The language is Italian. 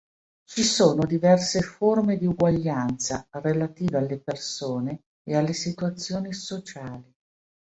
Ci sono diverse forme di uguaglianza relative alle persone e alle situazioni sociali.